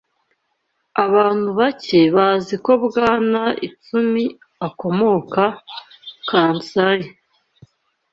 Abantu bake bazi ko Bwana Itsumi akomoka Kansai.